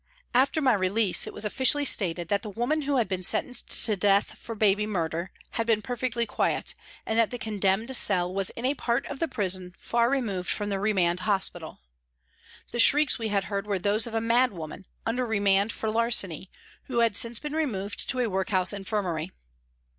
After my release it was officially stated that the woman who had been sentenced to death for baby murder had been 142 PRISONS AND PRISONERS perfectly quiet and that the " condemned cell " was in a part of the prison far removed from the remand hospital. The shrieks we had heard were those of a mad woman, under remand for larceny, who had since been removed to a workhouse infirmary.